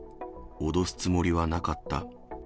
脅すつもりはなかった。